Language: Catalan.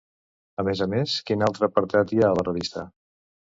A més a més, quin altre apartat hi ha a la revista?